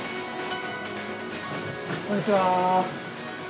こんにちは。